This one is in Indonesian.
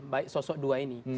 baik sosok dua ini